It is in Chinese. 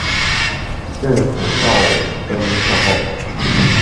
镇抚使赵霖上报皇帝。